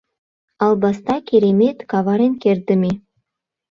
Албаста, керемет, каварен кертдыме!